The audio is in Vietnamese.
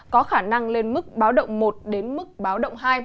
có khả năng lên mức báo động một đến mức báo động hai